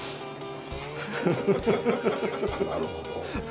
なるほど。